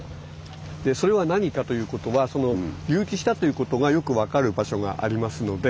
それは何かということはその隆起したということがよく分かる場所がありますので。